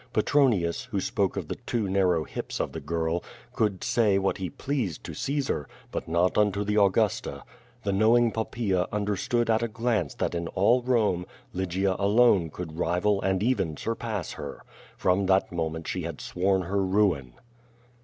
Petronius, who spoke of the too narrow hips of the girl, could say what he pleased to Caesar, but not unto the Augusta. The knowing Poppaea understood at a glance that in all Rome, Lygia alone could rival and even surpass her. From that moment she had sworn ner ruin.